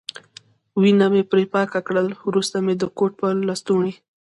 وینه مې پرې پاکه کړل، وروسته مې د کوټ په لستوڼي.